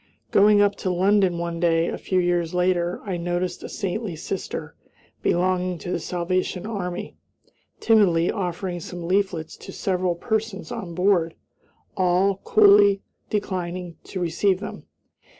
Going up to London one day, a few years later, I noticed a saintly sister, belonging to the Salvation Army, timidly offering some leaflets to several persons on board; all coolly declined to receive them.